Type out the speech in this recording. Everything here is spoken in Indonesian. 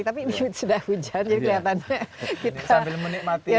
tapi ini sudah hujan jadi kelihatannya